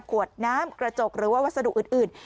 ขวดน้ำกระจกหรือว่าวัสดุอื่น